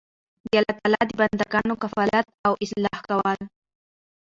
د الله تعالی د بندګانو کفالت او اصلاح کول